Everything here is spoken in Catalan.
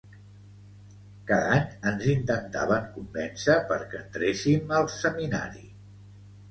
Cada any ens intentaven convèncer perquè entréssim al seminari